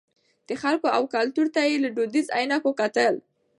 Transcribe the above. د خلکو او کلتور ته یې له دودیزو عینکو کتل.